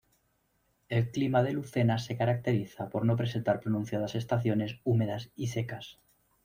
El clima de Lucena se caracteriza por no presentar pronunciadas estaciones húmedas y secas.